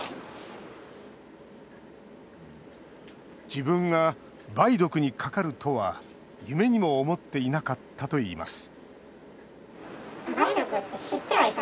自分が梅毒にかかるとは夢にも思っていなかったといいます